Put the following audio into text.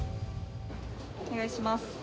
お願いします。